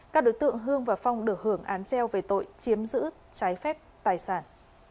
các đối tượng hương và phong được hưởng án treo về tội chiếm giữ trái phép tài sản